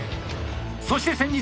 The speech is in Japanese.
そして先日。